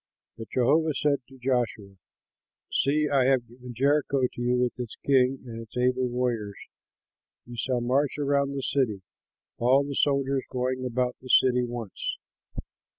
But Jehovah said to Joshua, "See, I have given Jericho to you with its king and its able warriors. You shall march around the city, all the soldiers going about the city once.